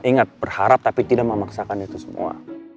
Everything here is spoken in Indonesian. ingat berharap tapi tidak memaksakan itu semua